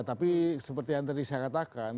tapi seperti yang tadi saya katakan